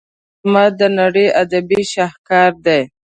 فردوسي شاهنامه د نړۍ ادبي شهکار دی.